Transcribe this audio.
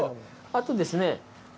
あとですね。